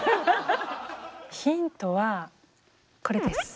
ヒントはこれです。